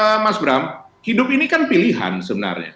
ya mas bram hidup ini kan pilihan sebenarnya